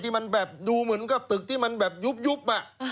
มันแบบดูเหมือนกับตึกที่มันแบบยุบ